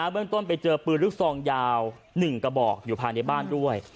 เรื่องต้นไปเจอปืนลูกซองยาว๑กระบอกอยู่ภายในบ้านด้วย